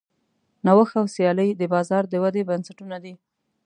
نوښت او سیالي د بازار د ودې بنسټونه دي.